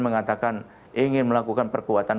mengatakan ingin melakukan perkuatan